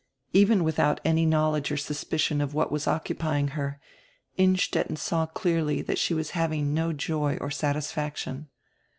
Even widiout any knowledge or suspicion of what was occupying her, Innstetten saw clearly diat she was having no joy or satisfaction.